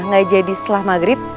nggak jadi setelah maghrib